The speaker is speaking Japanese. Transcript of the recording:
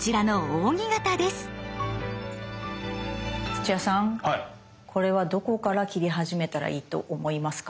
土屋さんこれはどこから切り始めたらいいと思いますか？